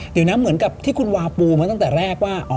เดี๋ยวนะเหมือนกับที่คุณวาปูมาตั้งแต่แรกว่า